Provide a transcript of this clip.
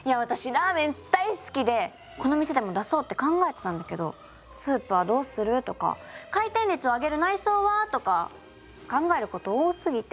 ラーメン大好きでこの店でも出そうって考えてたんだけどスープはどうする？とか回転率を上げる内装は？とか考えること多すぎて。